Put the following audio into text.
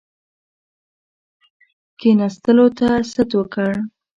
کښېنستلو ته ست وکړ.